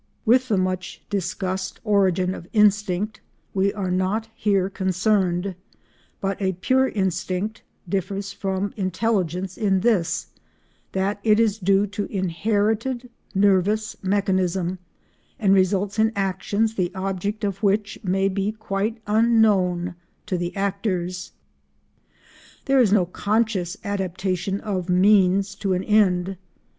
With the much discussed origin of instinct we are not here concerned, but a pure instinct differs from intelligence in this: that it is due to inherited nervous mechanism and results in actions the object of which may be quite unknown to the actors. There is no conscious adaptation of means to an end.